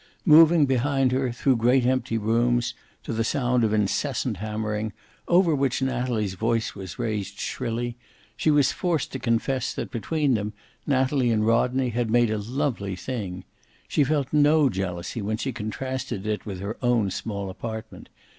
Moving behind her through great empty rooms, to the sound of incessant hammering, over which Natalie's voice was raised shrilly, she was forced to confess that, between them, Natalie and Rodney had made a lovely thing. She felt no jealousy when she contrasted it with her own small apartment.